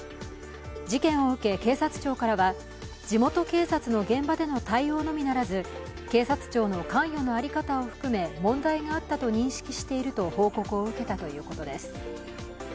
事件を受け、警察庁からは地元警察での現場での対応のみならず警察庁の関与の在り方を含め、問題があったと認識していると報告を受けたということです。